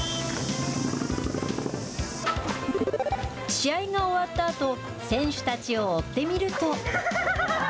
試合が終わったあと、選手たちを追ってみると。